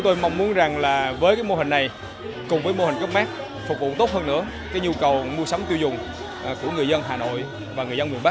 tôi mong muốn với mô hình này cùng với mô hình coop max phục vụ tốt hơn nữa nhu cầu mua sắm tiêu dùng của người dân hà nội và người dân miền bắc